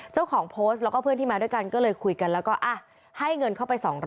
เจ้าของโพสต์แล้วก็เพื่อนที่มาด้วยกันก็เลยคุยกันแล้วก็ให้เงินเข้าไป๒๐๐